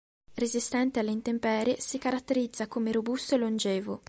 Resistente alle intemperie, si caratterizza come robusto e longevo.